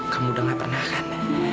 kamu udah gak pernah kan